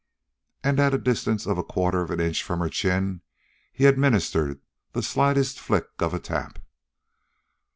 And at a distance of a quarter of an inch from her chin he administered the slightest flick of a tap.